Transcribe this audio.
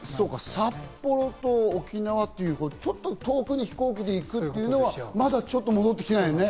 札幌と沖縄、ちょっと遠くに飛行機で行くというのは、まだちょっと戻ってきてないんだね。